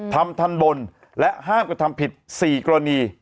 ทำทันบนและห้ามกระทำผิด๔กรณี